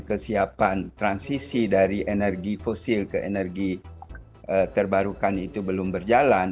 kesiapan transisi dari energi fosil ke energi terbarukan itu belum berjalan